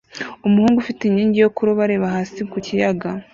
umuhungu ufite inkingi yo kuroba areba hasi ku kiyaga